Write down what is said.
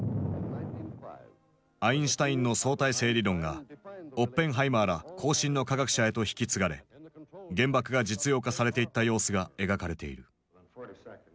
アインシュタインの相対性理論がオッペンハイマーら後進の科学者へと引き継がれ原爆が実用化されていった様子が描かれている。